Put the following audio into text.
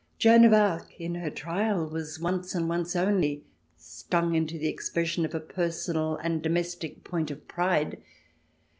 Joan of Arc, in her trial, was once, and once only, stung into the expression of a personal and domestic point of pride.